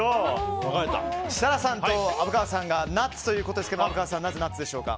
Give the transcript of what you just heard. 設楽さんと虻川さんがナッツということですが虻川さん、なぜナッツでしょうか。